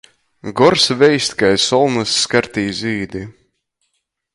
Gors veist kai solnys skartī zīdi.